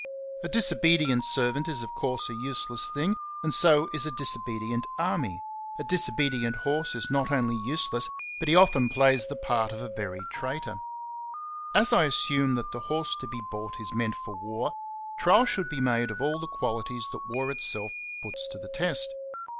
A disobedient servant is of course a useless thing, and so is a dis obedient army; a disobedient horse is not only useless, but he often plays the part of a very traitor. CHAPTER III. 25 As I assume that the horse to be bought is meant for war, trial should be made of all the qualities that war itself puts to the test.